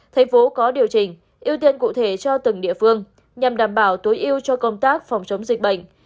thành phố có điều chỉnh ưu tiên cụ thể cho từng địa phương nhằm đảm bảo tối ưu cho công tác phòng chống dịch bệnh